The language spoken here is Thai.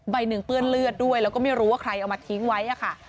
หนึ่งเปื้อนเลือดด้วยแล้วก็ไม่รู้ว่าใครเอามาทิ้งไว้ค่ะ